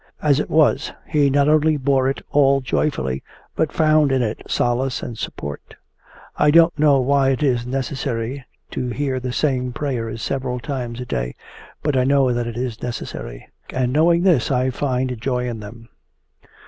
As it was, he not only bore it all joyfully but found in it solace and support. 'I don't know why it is necessary to hear the same prayers several times a day, but I know that it is necessary; and knowing this I find joy in them.